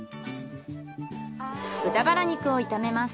豚バラ肉を炒めます。